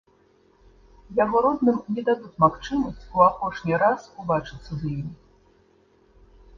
Яго родным не дадуць магчымасць ў апошні раз убачыцца з ім.